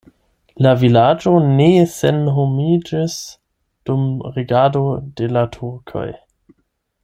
La vilaĝo ne senhomiĝis dum regado de la turkoj.